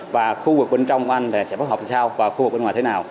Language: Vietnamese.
và khu vực bên trong của anh sẽ phối hợp thế nào và khu vực bên ngoài thế nào